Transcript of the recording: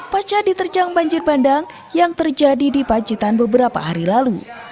pasca diterjang banjir bandang yang terjadi di pacitan beberapa hari lalu